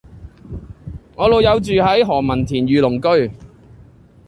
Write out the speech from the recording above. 我老友住喺何文田御龍居